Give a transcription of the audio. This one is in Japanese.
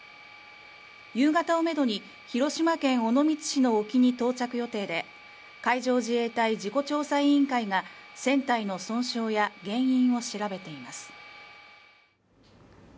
夕方をめどに広島県尾道市の沖に到着予定で海上自衛隊事故調査委員会が船体の損傷や原因を調べています。